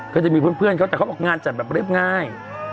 ก็จะมีเพื่อนเขาแต่เขาบอกงานจัดแบบเรียบง่าย